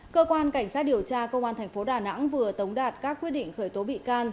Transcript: cơ quan cảnh sát điều tra công an tp đà nẵng vừa tống đạt các quyết định khởi tố bị can